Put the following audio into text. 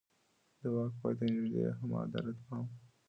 د واک پای ته نږدې يې هم عدالت ته پام و.